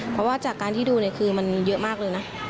เพราะว่าจากการที่ดูเนี่ยคือมันเยอะมากเลยนะ